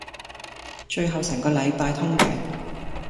最後成個禮拜通頂